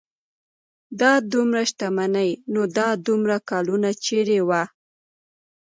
دا دومره شتمني نو دا دومره کلونه چېرې وه.